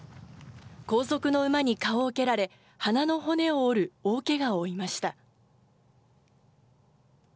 後続の馬に顔を蹴られ、鼻の骨を折る大けがを負いました。